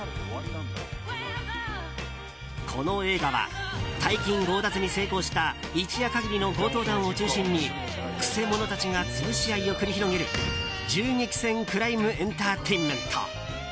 この映画は大金強奪に成功した一夜限りの強盗団を中心に曲者たちが潰し合いを繰り広げる銃撃戦クライム・エンターテインメント。